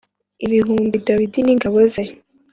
ibihumbi Dawidi n ingabo ze